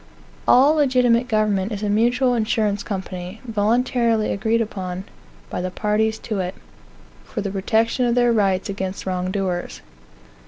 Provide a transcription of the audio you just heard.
All legitimate government is a mutual insurance company, voluntarily agreed upon by the parties to it, for the protection of their rights against wrong doers.